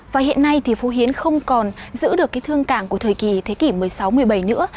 và hiện nay thì phố hiến không còn giữ được cái thương cảng của thời kỳ thế kỷ một mươi sáu một mươi bảy nữa